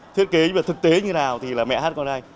nhưng thiết kế thực tế như thế nào thì mẹ hát con khen hay